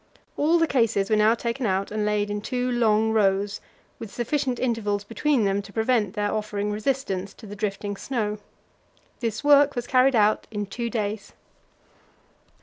All the cases were now taken out and laid in two long rows, with sufficient intervals between them to prevent their offering resistance to the drifting snow. This work was carried out in two days.